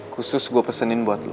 khusus gue pesenin buat lo